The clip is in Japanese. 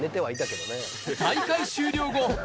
大会終了後。